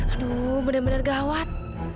aduh benar benar gawat